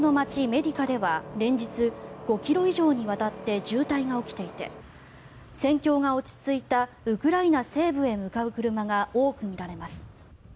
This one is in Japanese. メディカでは連日５ｋｍ以上にわたって渋滞が起きていて戦況が落ち着いたウクライナ西部へ向かう車が多く見られます。